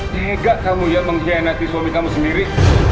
tidak kamu yang mengkhianati suami kamu sendiri